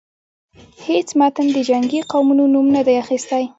هیڅ متن د جنګی قومونو نوم نه دی اخیستی.